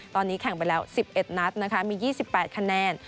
ตอนนี้แข่งไปแล้ว๑๑นัดนะคะมี๒๘คะแนน